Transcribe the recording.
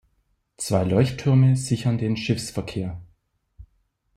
Zwei Leuchttürme sichern den Schiffsverkehr.